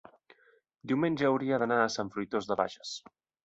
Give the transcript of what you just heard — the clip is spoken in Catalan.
diumenge hauria d'anar a Sant Fruitós de Bages.